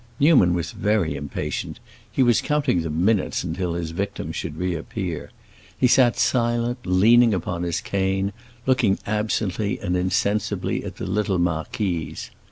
Newman was very impatient; he was counting the minutes until his victims should reappear. He sat silent, leaning upon his cane, looking absently and insensibly at the little marquise.